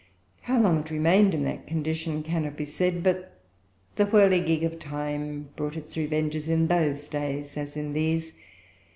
How long it remained in that condition cannot be said; but "the whirligig of time brought its revenges" in those days as in these.